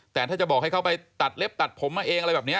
แต่ถ้าจะบอกให้เขาไปตัดเล็บตัดผมมาเองอะไรแบบนี้